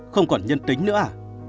không còn nhân tính nữa à